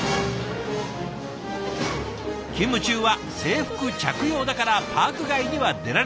勤務中は制服着用だからパーク外には出られない。